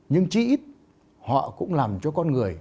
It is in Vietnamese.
nhưng chí ít họ cũng làm cho con người